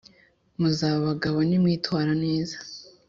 Muzaba abagabo nimwitwara neza.